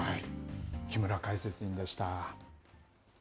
木村解説委員でした。